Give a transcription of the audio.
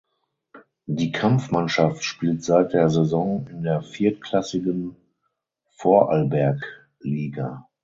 Die Kampfmannschaft spielt seit der Saison in der viertklassigen Vorarlbergliga.